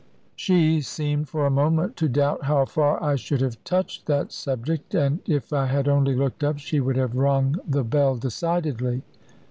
She seemed for a moment to doubt how far I should have touched that subject; and if I had only looked up she would have rung the bell decidedly.